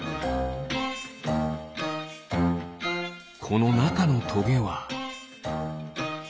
このなかのトゲは。